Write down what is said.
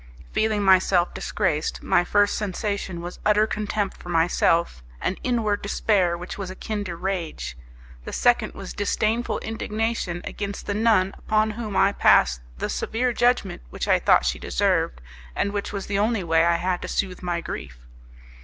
Feeling myself disgraced, my first sensation was utter contempt for myself, an inward despair which was akin to rage; the second was disdainful indignation against the nun, upon whom I passed the severe judgment which I thought she deserved, and which was the only way I had to soothe my grief.